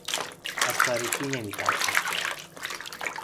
از تاریکی نمیترسم.